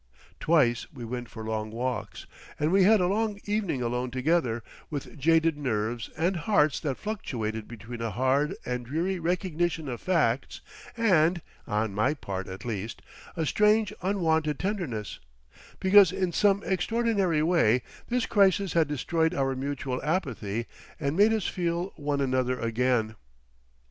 Twice we went for long walks. And we had a long evening alone together, with jaded nerves and hearts that fluctuated between a hard and dreary recognition of facts and, on my part at least, a strange unwonted tenderness; because in some extraordinary way this crisis had destroyed our mutual apathy and made us feel one another again.